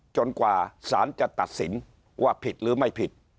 กว่าสารจะตัดสินว่าผิดหรือไม่ผิด